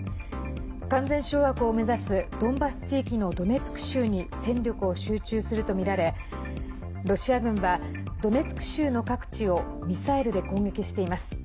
完全掌握を目指すドンバス地域のドネツク州に戦力を集中するとみられロシア軍はドネツク州の各地をミサイルで攻撃しています。